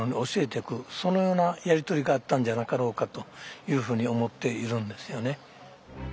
そのようなやり取りがあったんじゃなかろうかというふうに思っているんですよね。